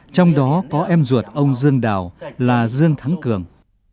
trong đó có em ruột ông dương đào là dương thắng cường